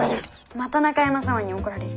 「また中山様に怒られる」。